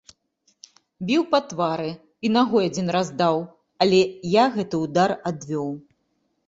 Біў па твары і нагой адзін раз даў, але я гэты ўдар адвёў.